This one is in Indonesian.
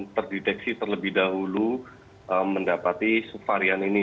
terdeteksi terlebih dahulu mendapati subvarian ini